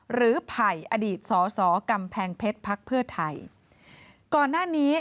หรือไผ่อดีตสอสอกำแพงเพชรพักเพื่อไทย